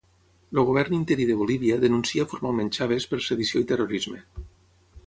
El govern interí de Bolívia denuncia formalment Chávez per sedició i terrorisme.